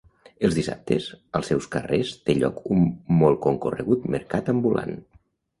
Els dissabtes, als seus carrers té lloc un molt concorregut mercat ambulant.